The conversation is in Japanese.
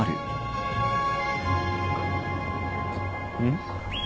ん？